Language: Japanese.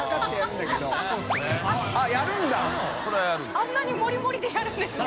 あんなに盛り盛りでやるんですね。